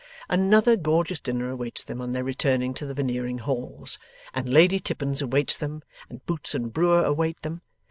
Another gorgeous dinner awaits them on their return to the Veneering halls, and Lady Tippins awaits them, and Boots and Brewer await them.